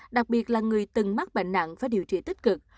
đặc biệt là người từng mắc bệnh nặng phải điều trị tích cực